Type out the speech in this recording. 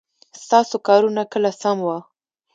ستاسو کارونه کله سم وه ؟